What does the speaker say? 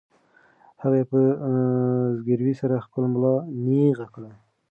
هغې په زګیروي سره خپله ملا نېغه کړه.